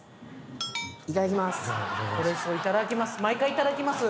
いただきます。